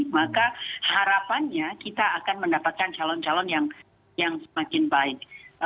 maka harapannya kita akan mendapatkan calon calon yang semakin baik